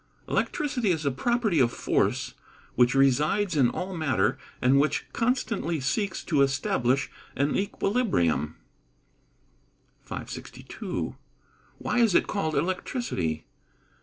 _ Electricity is a property of force which resides in all matter, and which constantly seeks to establish an equilibrium. 562. _Why is it called electricity?